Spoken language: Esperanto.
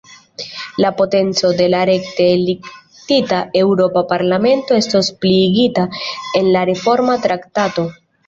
La potenco de la rekte elektita Eŭropa Parlamento estos pliigita en la Reforma Traktato.